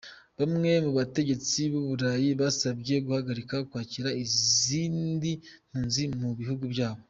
Bamwe mu bategetsi b’u Burayi, basabye guhagarika kwakira izindi mpunzi mu bihugu byabo.